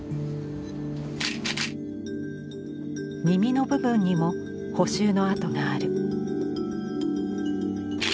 耳の部分にも補修の跡がある。